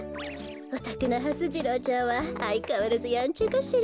おたくのはす次郎ちゃんはあいかわらずやんちゃかしら？